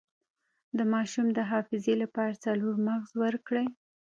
د ماشوم د حافظې لپاره څلور مغز ورکړئ